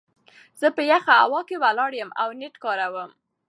زه په يخه هوا کې ولاړ يم او نيټ کاروم.